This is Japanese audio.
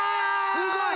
すごい！